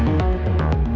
belum berapa lama